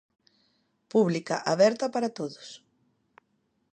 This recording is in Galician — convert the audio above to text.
Pública, aberta, para todos.